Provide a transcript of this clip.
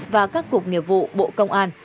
và các cuộc nghiệp vụ bộ công an